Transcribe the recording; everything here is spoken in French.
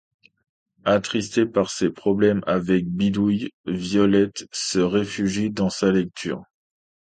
Attristée par ses problèmes avec Bidouille, Violette se réfugie dans la lecture.